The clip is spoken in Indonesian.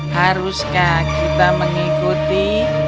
haruskah kita mengikuti